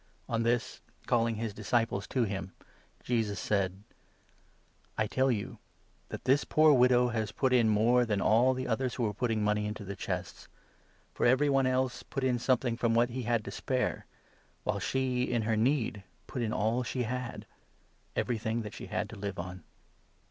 On this, calling his 43 disciples to him, Jesus said :" I tell you that this poor widow has put in more than all the others who were putting money into the chests ; for every 44 one else put in something from what he had to spare, while she, in her need, put in all she had — everything that she had to live on."